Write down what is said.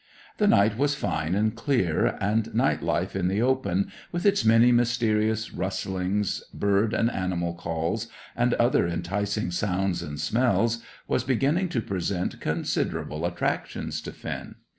The night was fine and clear, and night life in the open, with its many mysterious rustlings, bird and animal calls, and other enticing sounds and smells, was beginning to present considerable attractions to Finn.